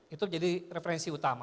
itu menjadi referensi utama